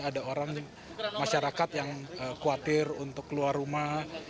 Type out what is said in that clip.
ada orang masyarakat yang khawatir untuk keluar rumah